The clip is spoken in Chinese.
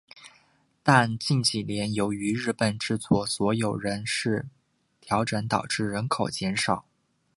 但近几年由于日立制作所的人事调整导致人口减少。